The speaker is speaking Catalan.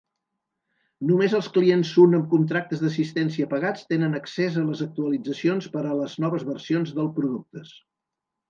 Només els clients Sun amb contractes d"assistència pagats tenen accés a les actualitzacions per a les noves versions del productes.